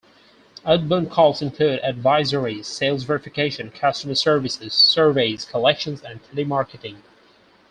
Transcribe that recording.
Outbound calls include advisories, sales verification, customer services, surveys, collections and telemarketing.